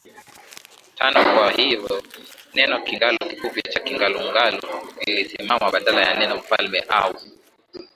tanoKwa hivyo neno Kingalu kifupi cha Kingalungalu lilisimama badala ya neno Mfalme au